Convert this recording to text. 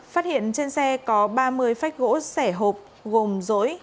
phát hiện trên xe có ba mươi phách gỗ sẻ hộp gồm rỗi